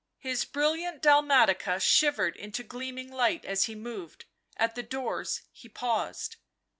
His brilliant dalmatica shivered into gleaming light as he moved. At the door he paused.